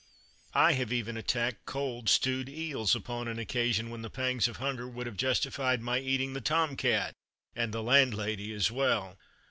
I have even attacked cold stewed eels (!) upon an occasion when the pangs of hunger would have justified my eating the tom cat, and the landlady as well.